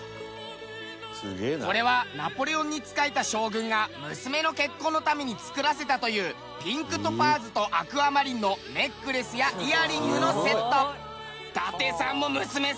これはナポレオンに仕えた将軍が娘の結婚のために作らせたというピンク・トパーズとアクアマリンのネックレスやイヤリングのセット。